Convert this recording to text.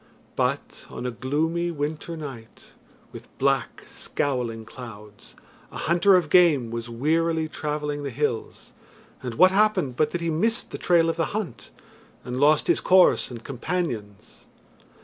But on a gloomy winter night, with black, scowling clouds, a hunter of game was wearily travelling the hills, and what happened but that he missed the trail of the hunt, and lost his course and companions.